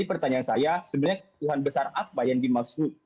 pertanyaan saya sebenarnya kebutuhan besar apa yang dimaksud